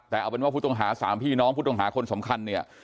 แต่เอาเป็นว่าผู้ต้องหาสามพี่น้องผู้ต้องหาคนสำคัญเนี่ย